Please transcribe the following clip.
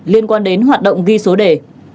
liên quan đến hoạt động ghi số đề